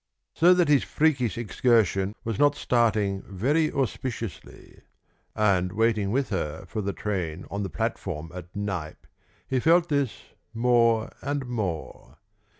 So that his freakish excursion was not starting very auspiciously. And, waiting with her for the train on the platform at Knype, he felt this more and more.